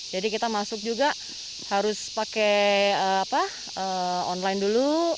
jadi kita masuk juga harus pakai online dulu